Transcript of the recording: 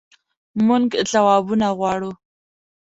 مونږ ځوابونه غواړو